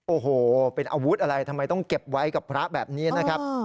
โอ้โหเป็นอาวุธอะไรทำไมต้องเก็บไว้กับพระแบบนี้นะครับ